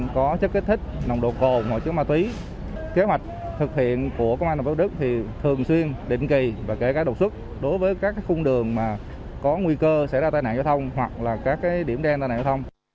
đội cảnh sát giao thông tp hcm có chất kích thích nồng độ cồn hội chứng ma túy kế hoạch thực hiện của công an tp hcm thì thường xuyên định kỳ và kể cả độc xuất đối với các khung đường mà có nguy cơ xảy ra tai nạn giao thông hoặc là các điểm đen tai nạn giao thông